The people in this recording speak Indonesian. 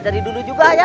dari dulu juga ya